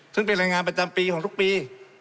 ซึ่งเป็นรายงานประจำปีของทุกปี